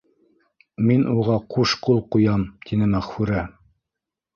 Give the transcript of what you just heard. Мин уға ҡуш ҡул ҡуям, — тине Мәғфүрә.